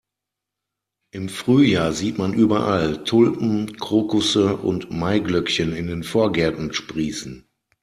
Im Frühjahr sieht man überall Tulpen, Krokusse und Maiglöckchen in den Vorgärten sprießen.